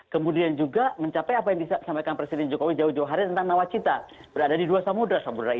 kemudian juga mencapai apa yang disampaikan presiden jokowi jauh jauh hari tentang nawacita berada di dua samudera samudera